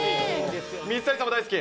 水谷さんも大好き。